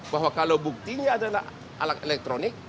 bahwa kalau buktinya adalah alat elektronik